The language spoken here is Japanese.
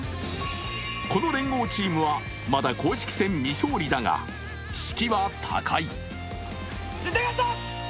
この連合チームはまだ公式戦未勝利だが士気は高い。